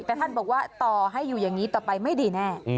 แต่ท่านบอกว่าต่อให้อยู่อย่างนี้ต่อไปไม่ดีแน่